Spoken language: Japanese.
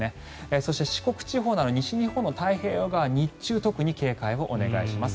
そして四国地方など西日本の太平洋側日中、特に警戒をお願いします。